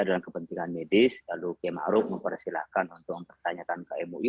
dalam kepentingan medis lalu pak maruf mempersilahkan untuk pertanyakan ke mui